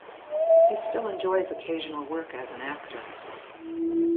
He still enjoys occasional work as an actor.